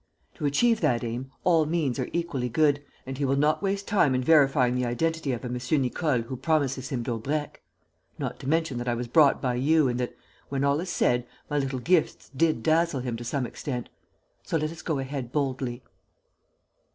To achieve that aim, all means are equally good; and he will not waste time in verifying the identity of a M. Nicole who promises him Daubrecq. Not to mention that I was brought by you and that, when all is said, my little gifts did dazzle him to some extent. So let us go ahead boldly."